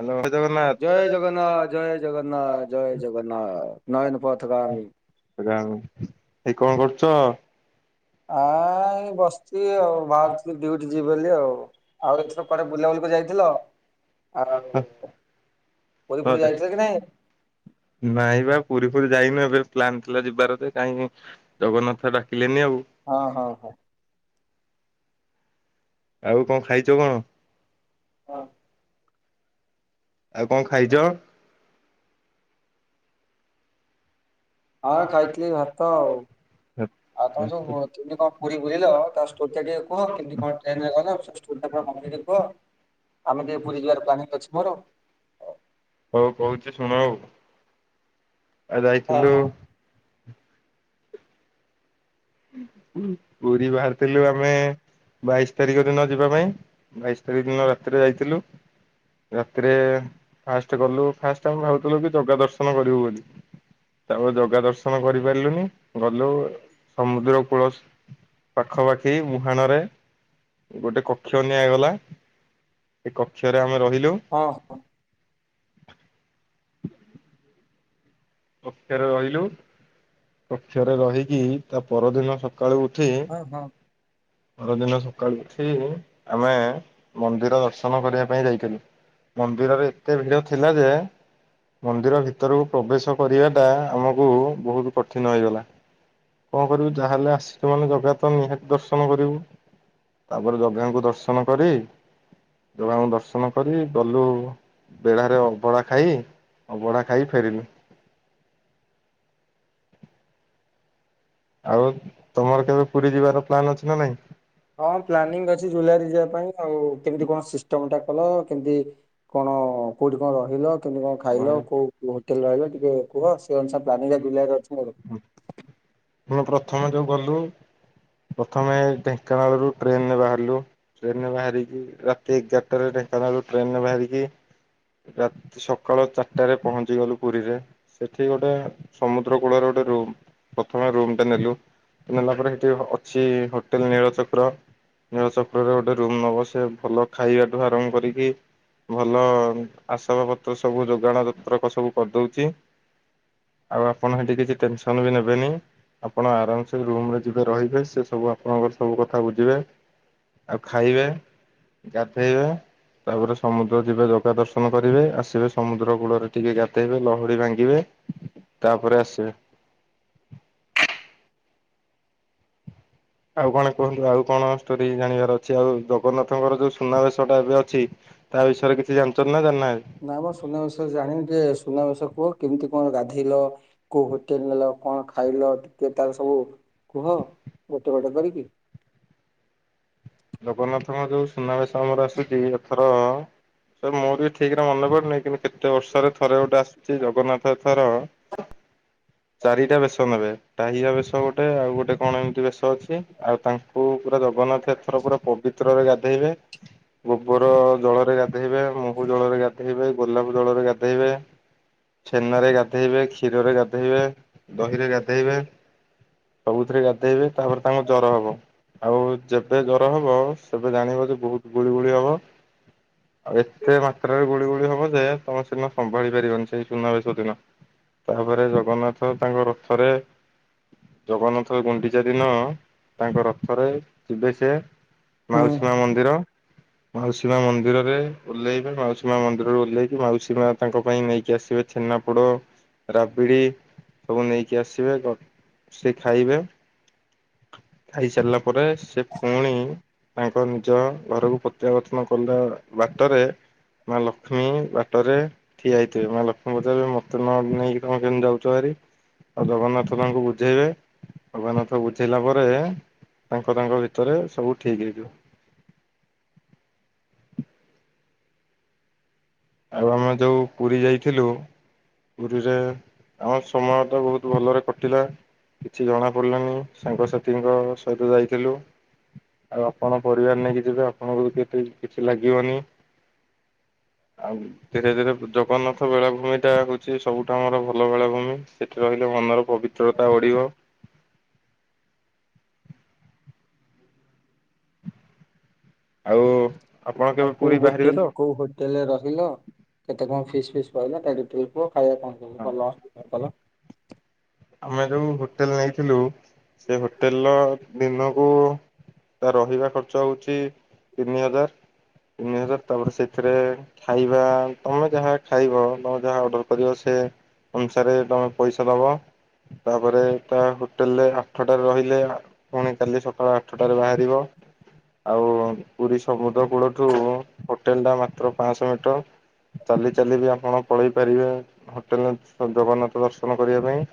Hello ଜୟ ଜଗନ୍ନାଥ ଜୟ ଜଗନ୍ନାଥ ଜୟ ଜଗନ୍ନାଥ ଜୟ ଜଗନ୍ନାଥ ନୟନ ପଥଗାମୀ। ରାମ ଏଇ କଣ କରୁଛ? ଆ ଏ ବସିଛି ଆଉ ବାହାରୁଛି ଡୁଟି ଯିବି ବୋଲି ଆଉ। ଆଉ ଏଥିର କୁଆଡ଼େ ବୁଲାବୁଲି କରି ଯାଇଥିଲ ଆଉ ପୁରୀ ଫୁଡ଼ି ଯାଇଥିଲେ କି ନାାଇଁ? ନାଇଁ ବା ପୁରୀ ଫୁରୀ ଯାଇନୁ ଏବେ ପ୍ଲାନ୍ ଥିଲା ଯିବାର ଯେ କାହିଁକି ଜଗନ୍ନାଥ ଡକିଲେନି ଆଉ। ହଁ ହଉ ହଉ। ଆଉ କଣ ଖାଇଛ କଣ? ହଁ। ଆଉ କଣ ଖାଇଛ? ହଁ ଖାଇଥିଲି ଭାତ ଆଉ। ଆଉ ତମେ ସବୁ କିମିତି କଣ ପୁରୀ ବୁଲିଲ ତା ଷ୍ଟୋରୀ ଟା ଟିକେ କୁହ କେମତି କଣ ଟ୍ରେନରେ ଗଲ? ସ୍କୁଲ୍ ଟା କଣ କଂପ୍ଲିଟ୍ ହେବ ଆମେ ଟିକେ ପୁରୀ ଯିବାର ପ୍ଲାନିଂ ଅଛି ମୋର। ହଉ କହୁଛି ଶୁଣ ଆଉ। ଆ ହଁ ଯାଇଥିଲୁ। ହଁ ଉଁ ପୁରୀ ବାହାରିଥିଲୁ ଆମେ ବାଇଶ ତାରିଖ ଦିନ ଯିବା ପାଇଁ। ବାଇଶ ତାରିଖ ଦିନ ରାତିରେ ଯାଇଥିଲୁ। ରାତିରେ ଫାଷ୍ଟ ଗଲୁ ଫାଷ୍ଟ ଆମେ ଭାବୁଥିଲୁ କି ଜଗାଦର୍ଶ କରିବୁ ବୋଲି। ତାପରେ ଜଗା ଦର୍ଶନ କରିପାରିଲୁନି ଗଲୁ ସମୁଦ୍ର କୂଳ ପାଖପାଖି ମୁହାଣ ରେ ଗୋଟେ କକ୍ଷ ନିଆଗଲା ଏ କକ୍ଷରେ ଆମେ ରହିଲୁ। ହଁ ହଁ। କକ୍ଷରେ ରହିଲୁ କକ୍ଷରେ ରହିକି ତା ପରଦିନ ସ ସକାଳୁ ଉଠି ହଁ ହଁ। ପରଦିନ ସକାଳୁ ଉଠି ଆମେ ମନ୍ଦିର ଦର୍ଶନ କରିବା ପାଇଁ ଯାଇଥିଲୁ। ମନ୍ଦିରରେ ଏତେ ଭିଡ ଥିଲା ଯେ ମନ୍ଦିର ଭିତରକୁ ପ୍ରବେଶ କରିବାଟା ଆମକୁ ବହୁତ କଠିନ ହେଇଗଲା। କଣ କରିବୁ ଯାହାହେଲେ ଆସିଲୁ ମାନେ ଜଗା ତ ନିହାତି ଦର୍ଶନ କରିବୁ। ତାପରେ ଜଗାଙ୍କୁ ଦର୍ଶନ କରି ଜଗାଙ୍କୁ ଦର୍ଶନ କରି ଗଲୁ। ବେଢାରେ ଅବଢ଼ା ଖାଇ ଅବଢ଼ା ଖାଇ ଫେରିଲି। ଆଉ ତମର କେବେ ପୁରୀ ଯିବାର ପ୍ଲାନ୍ ଅଛି ନା ନାଇଁ? ହଁ ପ୍ଲାନିଂ ଅଛି ଜୁଲାଇରେ ଯିବା ପାଇଁ ଆଉ କେମିତି କଣ ସିଷ୍ଟମଟା କଲ କେମତି କଣ କୋଉଠି କଣ ରହିଲ? ତୁମେ କଣ ଖାଇଲ କୋଉ ହୋଟେଲ ରହିଲ ଟିକେ କୁହ ସେ ଅନୁସାରେ ପ୍ଲାନ୍ ଜୁଲାଇ ରେ ଅଛି। ଆମେ ପ୍ରଥମେ ଯୋଉ ଗଲୁ ପ୍ରଥମେ ଢେଙ୍କାନାଳରୁ ଟ୍ରେନ ରେ ବାହାରିଲୁ। ଟ୍ରେନରେ ବାହାରିକି ରାତି ଏଗାରଟାରେ ଢେଙ୍କାନାଳୁ ଟ୍ରେନରେ ବାହାରିକି ରାତି ସକାଳ ଚାରିଟାରେ ପହଞ୍ଚି ଗଲୁ ପୁରୀରେ। ସେଠି ଗୋଟେ ସମୁଦ୍ର କୂଳରେ ଗୋଟେ ରୁମ୍ ପ୍ରଥମେ ରୁମ ଟା ନେଲୁ ନେଲା ପରେ ସେଠି ଅଛି ହୋଟେଲ ନୀଳ ଚକ୍ର। ନୀଳ ଚକ୍ରରେ ଗୋଟେ ରୁମ ନବ ସେ ଭଲ ଖାଇବାଠୁ ଆରମ୍ କରିକି ଭଲ ଆସବା ପତ୍ର ସବୁ ଯୋଗାଣ ଯତ୍ରକ ସବୁ କରିଦଉଛି। ଆଉ ଆପଣ ହେଠି କିଛି ଟେନସନ୍ ବି ନେବେନି। ଆପଣ ଆରାମସେ ରୁମରେ ଯିବେ ରହିବେ ସେ ସବୁ ଆପଣଙ୍କର ସବୁ କଥା ବୁଝିବେ। ଆଉ ଖାଇବେ, ଗାଧେଇବେ। ତାପରେ ସମୁଦ୍ର ଯିବେ ଯଗା ଦର୍ଶନ କରିବେ ଆସିବେ ସମୁଦ୍ର କୂଳରେ ଟିକେ ଗାଧେଇବେ, ଲହଡ଼ି ଭାଙ୍ଗିବେ। ତାପରେ ଆସିବେ। ଆଉ କଣ କୁହନ୍ତୁ ଆଉ କଣ ଷ୍ଟୋରି ଜାଣିବାର ଅଛି? ଆଉ ଜଗନ୍ନାଥଙ୍କର ଯୋଉ ସୁନାବେଶ ଟା ଏବେ ଅଛି ତା ବିଷୟରେ କିଛି ଜାଣିଛନ୍ତି ନା ଜାଣିନାହାନ୍ତି? ନାଁ ମ ସୁନାବେଶ ଜାଣି ଟେ ସୁନାବେଶ କୁହ କେମିତି କଣ ଗାଧେଇଲ? କୋଉ ହୋଟେଲ୍ ନେଲ କଣ ଖାଇଲ ଟିକେ ତାର ସବୁ କୁହ ଗୋଟେ ଗୋଟେ କରିକି। ଜଗନ୍ନାଥଙ୍କ ଯୋଉ ସୁନାବେଶ ଆମର ଆସୁଛି ଏଥର ସାର୍ ମୋର ବି ଠିକ ରେ ମନେ ପାରୁୁନି କିନ୍ତୁ କେତେ ବର୍ଷରେ ଥରେ ଗୋଟେ ଆସୁଛି ଜଗନ୍ନାଥ ଏଥର। [inaudible] ଚାରିଟା ବେେଶ ନେବେ ଟାହିଆ ବେଶ ଗୋଟେ ଆଉ ଗୋଟେ କଣ ଏମିତି ବେଶ ଅଛି ଆଉ ତାଙ୍କୁ ପୁରା ଜଗନ୍ନାଥେ ଥର ପୁରା ପବିତ୍ରରେ ଗାଧୋଇବେ। ଗୋବର ଜଳରେ ଗାଧୋଇବେ ମୋହୁ ଜଳରେ ଗାଧେଇୋଇବେ ଗୋଲାପ ଜଳରେ ଗାଧେଇବେ। ଛେନରେ ଗାଧେଇବେ କ୍ଷୀରରେ ଗାଧୋଇବେ ଦହି ରେ ଗାଧୋଇବେ। ସବୁଥିରେ ଗାଧେଇବେ ତାପରେ ତାଙ୍କୁ ଜର ହବ ଆଉ ଯେ ବେ ଜର ହବ ସେବେ ଜାଣିବ ଯେ ବୋହୁତ୍ ଗୁଳି ଗୁଳି ହବ। ଆଉ ଏତେ ମାତ୍ରାରେ ଗୁଳି ଗୁଳି ହବ ଯେ ତମେ ସେନ ସମ୍ଭାଳି ପାରିବନି ସେଇ ସୁନାବେଶ ଦିନ। ତାପରେ ଜଗନ୍ନାଥ ତାଙ୍କ ରଥରେ ଜଗନ୍ନାଥ ଗୁଣ୍ଡିଚା ଦିନ ତାଙ୍କ ରଥରେ ଯିବେଶ ହୁଁ ମାଉସୀ ମା ମନ୍ଦିର। ମାଉସୀ ମା ମନ୍ଦିରରେ ଓହ୍ଲେଇବେ ମାଉସୀ ମା ମନ୍ଦିରରୁ ଓଲ୍ହେଇକି ମାଉସୀ ମା ତାଙ୍କ ପାଇଁ ନେଇକି ଆସିବେ। ଛେନାପୋଡ଼ ରାବିଡ଼ି ସବୁ ନେଇକି ଆସିବେ ଓ ସେ ଖାଇବେ। ଖାଇ ସାରିଲା ପରେ ସେ ଫୁଣି ତାଙ୍କ ନିଜ ଘରକୁ ପ୍ରତ୍ୟାବର୍ତ୍ତନ କଲା ବାଟରେ ମା ଲକ୍ଷ୍ମୀ ବାଟରେ ଠିଆ ହେଇଥିବେ ମା ଲକ୍ଷ୍ମୀ ପୁଚାରବେ ମତେ ନ ନେଇକି ତମେ କେମତି ଯାଉଚ ଭାରି? ଆଉ ଜଗନ୍ନାଥ ତାଙ୍କୁ ବୁଝେଇବେ ଜଗନ୍ନାଥ ବୁ ସିଲା ପରେ ତାଙ୍କ ତାଙ୍କ ଭିତରେ ସବୁ ଠିକ ହେଇଯିବ। ଆଉ ଆମେ ଯୋଉ ପୁରୀ ଯାଇଥିଲୁ ପୁରୀରେ ଆମ ସମୟ ତ ବୋହୁତ୍ ଭଲରେ କଟିଲା। କିଛି ଜଣା ପଡ଼ିଲନି ସାଙ୍ଗସାଥିଙ୍କ ସହିତ ଯାଇଥିଲୁ। ଆଉ ଆପଣ ପରିବାର ନେଇକି ଯିବେ ଆପଣଙ୍କୁ କେତେ କିଛି ଲାଗିବନି। ଆଉ ଧୀରେ ଧୀରେ ଜଗନ୍ନାଥ ବେଳାଭୂମି ଟା ହୋଉଛି ସବୁଠୁ ଆମର ଭଲ ବେଳାଭୂମି ସେଠି ରହିଲେ ମନର ପବି ଅଚଳତା ବଢ଼ିବ। ଆଉ ଆପଣ ଆଉ କେବେ କୋଉ ପୁରୀ ବାହାରିବେ ହୋଟେଲ ତ କୋଉ ହୋ ହୋଟେଲରେ ରହିଲ କେତେ କଣ ଫିସ୍ ଫିସ୍ ଫାଇଲ ତା ଡିଟେଲ୍ କୁହ ଖାଇବା କଣ ହଁ ସବୁ କଲ ଆମେ ଯୋଉ ହୋଟେଲ୍ ନେଇଥିଲୁ ସେ ହୋଟେଲ୍ ର ଦିନକୁ ତା ରହିବା ଖର୍ଚ୍ଚ ହୋଉଚି ତିନି ହଜାର୍ ତିନି ହଜାର୍ ତାପରେ ସେଥିରେ ଖାଇବା ତମେ ଯାହା ଖାଇବ ତମେ ଯାହା ଅର୍ଡର କରିବ ସେ ଅନୁସାରେ ତମେ ପଇସା ଦବ। ତାପରେ ତା ହୋଟେଲ୍ ରେ ଆଠଟାରେ ରହିଲେ ଫୁଣି କାଲି ସକାଳ ଆଠଟାରେ ବାହାରିବ। ଆଉ ପୁରୀ ସମୁଦ୍ର କୂଳଠୁ ହୋଟେଲ୍ ଟା ମାତ୍ର ପାଂଶ ମିଟର୍। ଚାଲି ଚାଲି ବି ଆପଣ ପଳେଇ ପାରିବେ ହୋଟେଲ୍ ନେ ଜଗନ୍ନାଥ ଦର୍ଶନ କରିବା ପାଇଁ।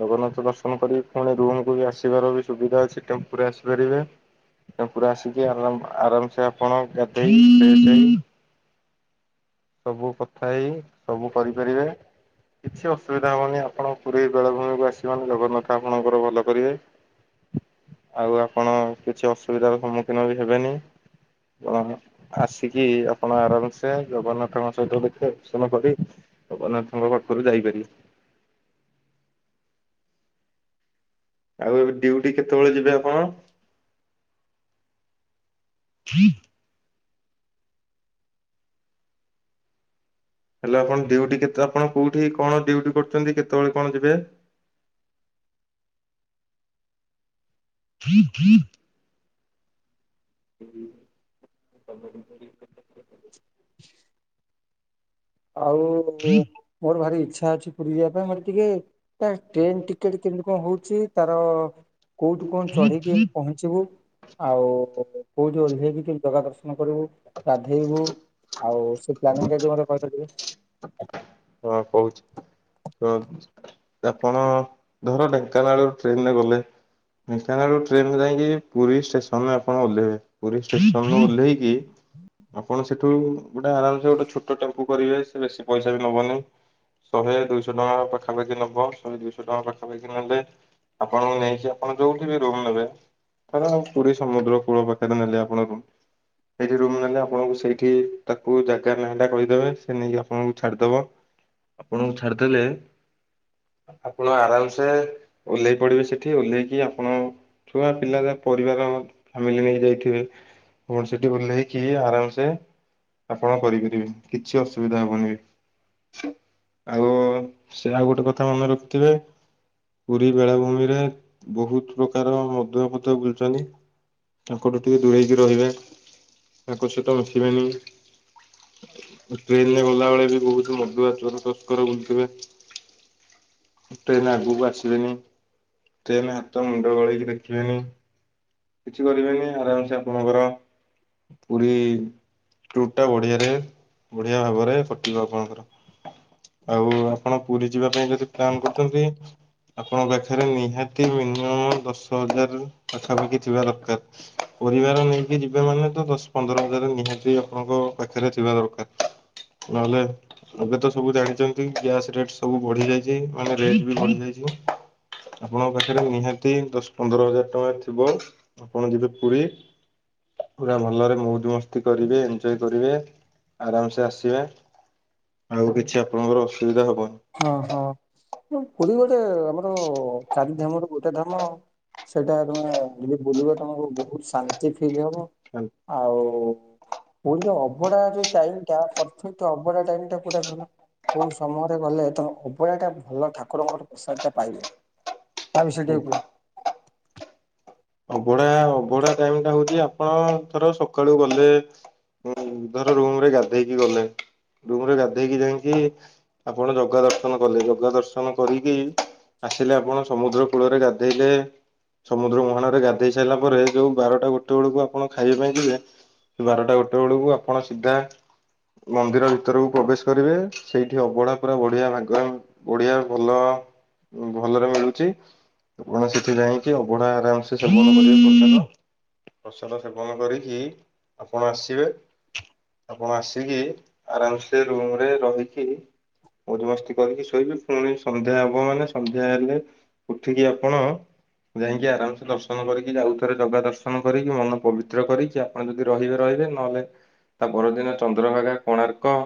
ଜଗନ୍ନାଥ ଦର୍ଶନ କରିକି ଫୁଣି ରୁମ୍ କୁୁ ବି ଆସିବାର ବି ସୁବିଧା ଅଛି ଟେମ୍ପୁ ରେ ଆସିପାରିବେ। ଟେମ୍ପୁ ରେ ଆସିକି ଆରାମ୍ ଆରାମ୍ ସେ ଆପଣ ଗାଧେଇ ସବୁ କଥା ହେଇ ସବୁ କରିପାରିବେ। କିଛି ଅସୁବିଧା ହବନି ଆପଣ ପୁରୀ ବେଳଭୂମି ଆସି ମାନେ ଜଗନ୍ନାଥ ଆପଣଙ୍କର ଭଲ କରିବେ। ଆଉ ଆପଣ କିଛି ଅସୁବିଧାର ସମ୍ମୁଖୀନ ବି ହେବେନି। ଆସିକି ଆପଣ ଆରାମ୍ ସେ ଜଗନ୍ନାଥଙ୍କ ସହିତ ଦେଖା ଦର୍ଶନ କରି ଜଗନ୍ନାଥଙ୍କ ପାଖରୁ ଯାଇପାରିବେ। ଆଉ ଏବେ ଡିଉଟି କେତେବେଳେ ଯିବେ ଆପଣ? ହେଲେ ଆପଣ ଡ୍ୟୁଟି କେତେ ଆପଣ କୋଉଠି କଣ ଡ୍ୟୁଟି କରୁଚନ୍ତି, କେତେବେଳେ କଣ ଯିବେ? [inaudible] ଆଉ ମୋର ଭାରି ଇଚ୍ଛା ଅଛି ପୁରୀ ଯିବା ପାଇଁ ମୋର୍ ଟିକେ ତା ଟ୍ରେନ୍ ଟିକେଟ୍ କେମିତି କଣ ହୋଉଚି, ତାର କୋଉଠି କଣ ଚଢିକି ପହଞ୍ଚ୍ ଚିବୁ, ଆଉ କୋଉଠି ଓହ୍ଲେଇ କି ଜଗା ଦର୍ଶନ କରିବୁ, ଗାଧେଇବୁ ଆଉ ସେ ପ୍ଲାନିଂ ଯଦି ମତେ କହିପାରିବେ? ହଁ କହୁଚି। ହଁ ଆପଣ ଧର ଢେଙ୍କାନାଳରୁ ଟ୍ରେନ୍ ରେ ଗଲେ ଢେଙ୍କାନାଳ ରୁ ଟ୍ରେନ୍ ରେ ଯାଇକି ପୁରୀ ଷ୍ଟେସନ୍ ରେ ଆପଣ ଓହ୍ଲେଇବେ। ପୁରୀ ଷ୍ଟେସନ୍ ରୁ ଓହ୍ଲେଇକି, ଆପଣ ସେଠୁ ଗୋଟେ ଆରାମ୍ ସେ ଗୋଟେ ଛୋଟ ଟେମ୍ପୁ କରିବେ, ସେ ବେଶୀ ପଇସା ବି ନବନି। ଶହେ ଦୁଇଶ ଟଙ୍କା ପାଖାପାଖି ନବ। ଶହେ ଦୁଇଶ ଟଙ୍କା ପାଖାପାଖି ନେଲେ ଆପଣଙ୍କୁ ନେଇକି, ଆପଣ ଯୋଉଠି ବି ରୁମ୍ ନେବେ ଧର ପୁରୀ ସମୁଦ୍ର କୂଳ ପାଖରେ ନେଲେ ଆପଣ ରୁମ୍ ସେଇଠି ରୁମ୍ ନେଲେ, ଆପଣଙ୍କୁ ସେଇଠି ତାକୁ ଜାଗା ନାଁଟା କହିଦେବେ, ସେ ନେଇକି ଆପଣଙ୍କୁ ଛାଡିଦବ। ଆପଣଙ୍କୁ ଛାଡିଦେଲେ ଆପଣ ଆରାମ୍ ସେ ଓହ୍ଲେଇ ପଡିବେ ସେଠି। ଓହ୍ଲେଇକି ଆପଣ ଛୁଆ ପିଲାର ପରିବାର, ଫ୍ୟାମିଲି ନେଇ ଯାଇଥିବେ ଆପଣ ସେଠି ଓହ୍ଲେଇକି ଆରାମ୍ ସେ ଆପଣ କରିପାରିବେ କିଛି ଅସୁବିଧା ହବନି। ଆଉ ସେ, ଆଉ ଗୋଟେ କଥା ମନେ ରଖିଥିବେ ପୁରୀ ବେଳାଭୂମିରେ, ବହୁତ୍ ପ୍ରକାର ମଦୁଆ ଫଦୁଆ ବୁଲୁଚନ୍ତି। ତାଙ୍କଠୁ ଟିକେ ଦୂରେଇକି ରହିବେ, ତାଙ୍କ ସହିତ ମିଶିବେନି। ଟ୍ରେନ୍ ରେ ଗଲାବେଳେ ବି ବହୁତ୍ ମଦୁଆ, ଚୋର, ତସ୍କର ବୁଲୁଥିବେ। ଟ୍ରେନ୍ ଆଗକୁ ଆସିବେନି, ଟ୍ରେନ୍ ରେ ହାତ ମୁଣ୍ଡ ଗଳେଇକି ଦେଖିବେନି କିଛି କରିବେନି, ଆରାମ୍ ସେ ଆପଣଙ୍କର ପୁରୀ ଟୁର୍ ଟା ବଢିଆରେ, ବଢିଆ ଭାବରେ କଟିବ ଆପଣଙ୍କର। ଆଉ ଆପଣ ପୁରୀ ଯିବା ପାଇଁ ଯଦି ପ୍ଲାନ୍ କରୁଚନ୍ତି ଆପଣଙ୍କ ପାଖରେ ନିହାତି ମିନିମମ୍ ଦଶ ହଜାର ରୁ ପାଖାପାଖି ଥିବା ଦରକାର୍। ପରିବାର ନେଇକି ଯିବେ ମାନେ ତ ଦଶ୍ ପନ୍ଦର ହଜାରେ ନିହାତି ଆପଣଙ୍କ ପାଖରେ ଥିବା ଦରକାରେ। ନହେଲେ ଏବେ ତ ସବୁ ଜାଣିଚନ୍ତି ଗ୍ୟାସ୍ ରେଟ୍ ସବୁ ବଢି ଯାଇଚି। ମାନେ ରେଟ୍ ବି ବଢି ଯାଇଥିବ। ଆପଣଙ୍କ ପାଖରେ ନିହାତି ଦଶ୍ ପନ୍ଦର ହଜାର୍ ଟଙ୍କା ଥିବ। ଆପଣ ଯିବେ ପୁରୀ। ପୁରା ଭଲରେ ମଉଜ୍ ମସ୍ତି କରିବେ, ଏଞ୍ଜୟ୍ କରିବେ। ଆରାମ୍ ସେ ଆସିବେ। ଆଉ କିଛି ଆପଣଙ୍କର ଅସୁବିଧା ହବନି। ହଁ ହଁ। ପୁରୀ ଗୋଟେ ଆମର ଚାରି ଧାମରୁ ଗୋଟେ ଧାମ। ସେଟା ତମେ ଯଦି ବୁଲିବ ତମକୁ ବହୁତ୍ ଶାନ୍ତି ଫିଲ୍ ହବ। ଆଉ। ଆଉ ପୁରୀ ର ଅଭଡା ଯୋଉ ଟାଇମ୍ ଟା, ପରଫେକ୍ଟ ଅଭଡା ଟାଇମ୍ ଟା କୋଉଟା କହିଲ? ଗଲେ ତମ ଅଭଡାଟା ଭଲ ଠାକୁରଙ୍କ ପ୍ରୋସାଦଟା ପାଇବ, ତା ବିଷୟ ଟିକେ କୁହ? ଅଭଢା ଅଭଢା ଟାଇମ୍ ଟା ହୋଉଛି ଆପଣ ଙ୍କର ସକାଳୁ ଗଲେ ଉଁ- ଧର ରୁମ୍ ରେ ଗାଧେଇକି ଗଲେ ରୁମ୍ ରେ ଗାଧେଇକି ଯାଇଁକି ଆପଣ ଜଗା ଦର୍ଶନ କଲେ ଜଗା ଦର୍ଶନ କରିକି ଆସିଲେ ଆପଣ ସମୁଦ୍ର କୂଳରେ ଗାଧେଇଲେ ସମୁଦ୍ର ମୁହାଣ ରେ ଗାଧ୍ ଦେଇ ସାଇଲା ପରେ ଯଉ ବାରଟା ଗୋଟେ ବେଳକୁ ଆପଣ ଖାଇବା ପାଇଁ ଯିବେ ସେ ବାରଟା ଗୋଟେ ବେଳକୁ ଆପଣ ସିଧା ମନ୍ଦିର ଭିତରକୁ ପ୍ରବେଶ୍ କରିବେ ସେଇଠି ଅବଢା ପୁରା ବଢିଆ ଭାଗ ବଢିଆ ଭଲ- ଭଲରେ ମିଳୁଚି। ଆପଣ ସେଠି ଯାଇଁକି ଅବଢା ଆରାମ୍ ସେ ସେବନ କରିବେ ପ୍ରସାଦ ସେବନ କରିକି ଆପଣ ଆସିବେ ଆପଣ ଆସିକି ଆରାମ୍ ସେ ରୁମ୍ ରେ ରହିକି ମଉଜ ମସ୍ତି କରିକି ଶୋଇବେ ପୁଣି ସନ୍ଧ୍ୟା ହବ ମାନେ ସନ୍ଧ୍ୟା ହେଲେ ଉଠିକି ଆପଣ ଯାଇଁକି ଆରାମ୍ ସେ ଦର୍ଶ ଦର୍ଶନ କରିକି ଆଉଥରେ ଜଗା ଦର୍ଶନ କରିକି ମନ ପବିତ୍ର କରିକି ଆପଣ ଯଦି ରହିବେ- ରହିବେ ନହେଲେ ତା ପରଦିନ ଚନ୍ଦ୍ରଭାଗା କୋଣାର୍କ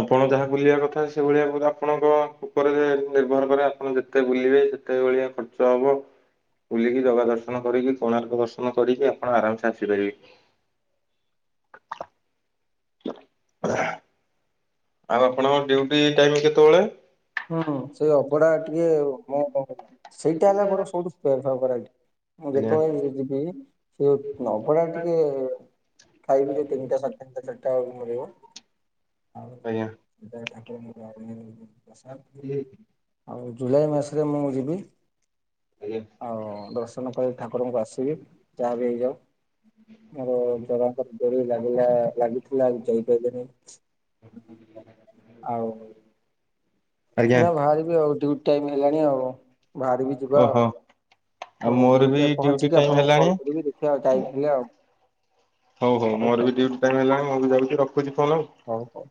ଆପଣ ଯାହା ବୁଲିବା କଥା ସେଇଭଳିଆ ଆପଣଙ୍କ ଉପରେ ନିର୍ଭର କରେ ଆପଣ ଯେତେ ବୁଲିବେ କେତେ ଭଳିଆ ଖର୍ଚ୍ଚ ହବ? ବୁଲିକି ଜଗା ଦର୍ଶନ କରିକି କୋଣାର୍କ ଦର୍ଶନ କରିକି ଆପଣ ଆରାମ୍ ସେ ଆସିପାରିବେ। ଆଉ ଆପଣଙ୍କ ଡଉଟି ଟାଇମ୍ କେତେବଳେ? ହୁଁ ସେଇ ଅବଢା ଟିକେ ମୋ ସେଇଟା ହେଲା ମୋର ସବଠୁ ଫେବରାଇଟ୍। ମୁଁ ଆଜ୍ଞା ଯେତେବେଳେ ଯିବି ସେ ଅଭଡା ଟିକେ ଖାଇକି ତିନିଟା ସାଢେ ତିନ୍ ଟା ଚାରିଟାକୁ ମିଳିବ ଆଉ ଆଜ୍ଞା [unintelligible] ଠାକୁର [unintelligible] ଆଉ ସାର୍ ଆଉ ଜୁଲାଇ ମାସରେ ମୁଁ ଯିବି। ଆଜ୍ଞା। ଆଉ ଦର୍ଶନ ପାଇ ଠାକୁରଙ୍କୁ ଆସିବି ଯାହା ବିି ହେଇଯାଉ। ମୋର ଜଗାଙ୍କର ଡୋରି ଲାଗିଲା- ଲାଗିଥିଲା ହେଲେ ଯାଇପାଇଲିନି। ଆଉ ଆଜ୍ଞା। ଏଇଖିଣା ବାହାରିବି ଆଉ ଡିଉଟି ଟାଇମ୍ ହେଲାଣି ଆଉ ବାହାରିବି ଯିବା ଓହୋ। ଆଉ। ଆଉ ପୁଣି ମୋର ବି ଡ୍ୟୁଟିରେ ଡ୍ୟୁଟି ପହଞ୍ଚିକି ଟାଇମି ଆପଣଙ୍କୁ ହେଲାଣି କଲ୍ କରିବି ଦେଖିବା ଟାଇମ ହେଲେ ଆଉ ହଉ -ହଉ ମୋର ବି ଡିଉଟି ଟାଇମ୍ ହେଲାଣି ମୁଁ ବି ଯାଉଚି ରଖୁଚି ଫୋନ ଆଉ। ହଉ -ହଉ।